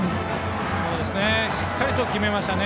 しっかりと決めましたね。